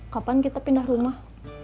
kapan kita pindah rumah